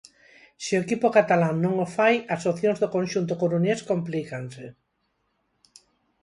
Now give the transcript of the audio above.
Se o equipo catalán non o fai, as opcións do conxunto coruñés complícanse.